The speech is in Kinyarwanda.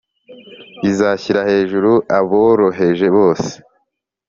Izashyira hejuru aboroheje bose